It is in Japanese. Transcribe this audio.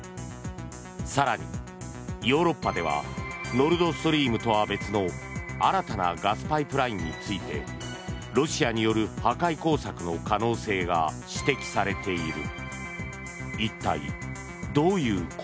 更にヨーロッパではノルドストリームとは別の新たなガスパイプラインについてロシアによる破壊工作の可能性が指摘されている。